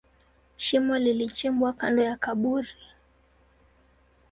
Shimo lilichimbwa kando ya kaburi.